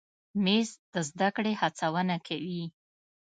مېز د زده کړې هڅونه کوي.